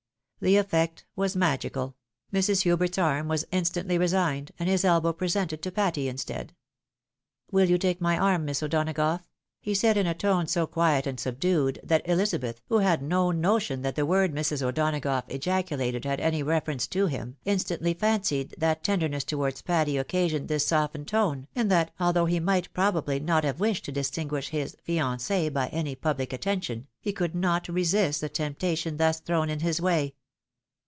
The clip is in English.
The effect was magical ; Mrs. Plubert's arm was instantly resigned, and his elbow presented to Patty instead. " WiU you take my arm. Miss O'Donagough !" he said, in a tone so quiet and subdued, that Ehzabeth, who had no notion that the word Mrs. O'Donagough ejaculated hadany reference to him, instantly fancied that tenderness towards Patty occasioned this softened tone, and that, although he might probably not have wished to distinguish his Jinacee by any public attention, he could not resist the temptation thus thrown in his way.